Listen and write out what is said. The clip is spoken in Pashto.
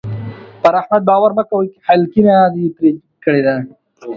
پر احمد باور مه کوئ؛ هلکينه يې تېره کړې ده.